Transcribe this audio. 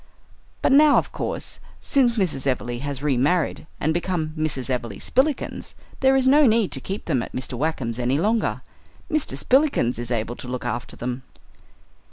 But now, of course, since Mrs. Everleigh has remarried and become Mrs. Everleigh Spillikins there is no need to keep them at Mr. Wackem's any longer. Mr. Spillikins is able to look after them.